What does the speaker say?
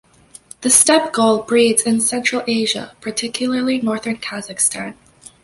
The steppe gull breeds in Central Asia, particularly northern Kazakhstan.